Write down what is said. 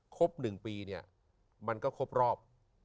ครบ๑ปีมันก็ครบรอบ